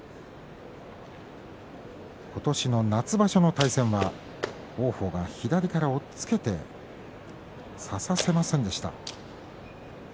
今年の夏場所の対戦は王鵬が左から押っつけて差させませんでした。